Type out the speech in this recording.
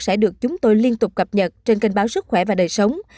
sẽ được chúng tôi liên tục cập nhật trên kênh báo sức khỏe và đời sống